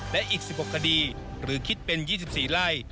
และอีก๑๖คดีหรือคิดเป็น๒๔ไร่